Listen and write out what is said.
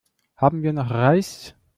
Haben wir noch Reis?